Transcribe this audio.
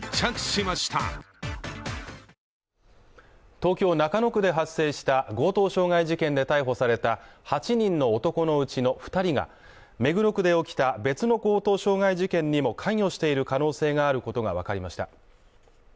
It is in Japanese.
東京・中野区で発生した強盗傷害事件で逮捕された８人の男のうちの２人が目黒区で起きた別の強盗傷害事件にも関与している可能性があることがわかりました。